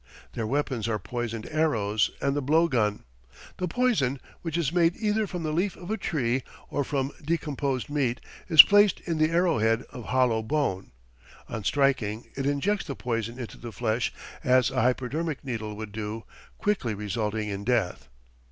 Their weapons are poisoned arrows and the blow gun. The poison, which is made either from the leaf of a tree or from decomposed meat, is placed in the arrow head of hollow bone. On striking, it injects the poison into the flesh as a hypodermic needle would do, quickly resulting in death.